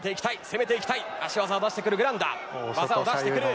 攻めていきたい足技を出してくるグランダ技を出してくる！